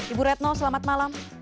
ibu retno selamat malam